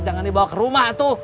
jangan dibawa ke rumah tuh